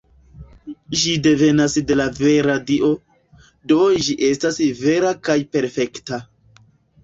Ĝi devenas de la vera Dio, do ĝi estas vera kaj perfekta.